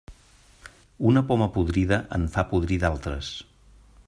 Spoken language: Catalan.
Una poma podrida en fa podrir d'altres.